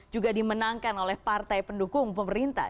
juga dimenangkan oleh partai pendukung pemerintah